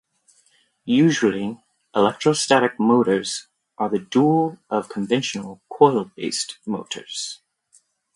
Usually, electrostatic motors are the dual of conventional coil-based motors.